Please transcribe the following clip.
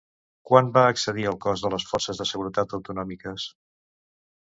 Quan va accedir al cos de les forces de seguretat autonòmiques?